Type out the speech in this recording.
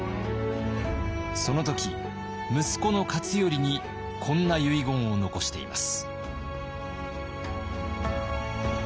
その時息子の勝頼にこんな遺言を残しています。